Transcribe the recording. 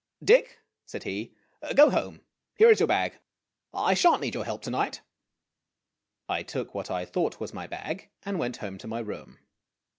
"Dick," said he, "go home. Here is your bag. I sha'n't need your help to night." I took what I thought was my bag, and went home to my room.